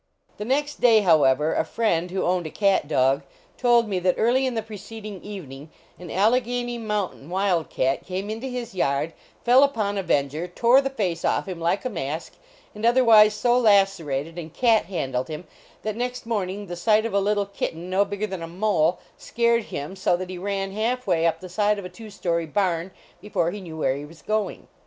The next day, however, a friend who owned a cat dog, told me that early in the preceding evening, an Alleghany mountain HOUSEHOLD PETS wild cat came into his yard, fell upon Aven ger, tore the face off him like a mask, and otherwise so lacerated and cat handled him that next morning the sight of a little kitten, no bigger than a mole, scared him so that he ran half way up the side of a two story barn, before he knew where he was going.